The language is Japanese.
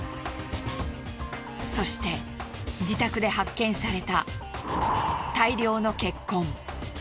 そして自宅で発見された大量の血痕。